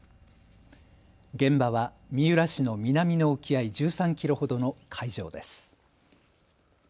現場は三浦市の南の沖合１３キロほどの海上です。